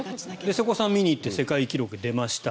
瀬古さん見に行って世界記録出ました。